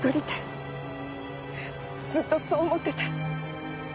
ずっとそう思ってた。